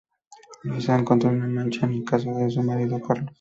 Luisa, encontró una mancha en el saco de su marido Carlos.